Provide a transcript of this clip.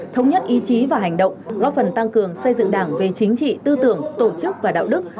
thống nhất ý chí và hành động góp phần tăng cường xây dựng đảng về chính trị tư tưởng tổ chức và đạo đức